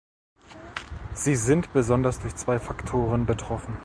Sie sind besonders durch zwei Faktoren betroffen.